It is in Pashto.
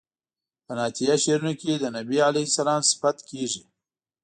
په نعتیه شعرونو کې د بني علیه السلام صفت کیږي.